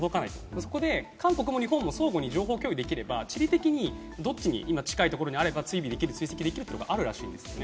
そこで韓国も日本も相互に情報共有できれば地理的にどっちに近いところにあれば追尾・追跡できるというのがあるらしいですね。